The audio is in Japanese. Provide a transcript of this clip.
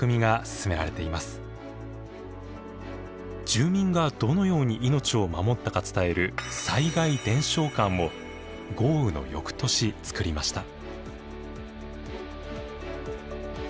住民がどのように命を守ったか伝える災害伝承館を豪雨の翌年つくりました。